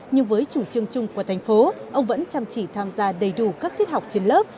nhưng với chủ trương chung của thành phố ông vẫn chăm chỉ tham gia đầy đủ các tiết học trên lớp